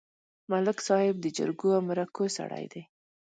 ملک صاحب د جرګو او مرکو سړی دی.